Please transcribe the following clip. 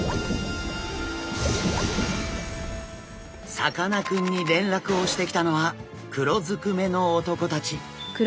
さかなクンに連絡をしてきたのは黒ずくめの男たち。